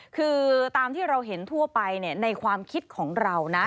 คือตามที่เราเห็นทั่วไปในความคิดของเรานะ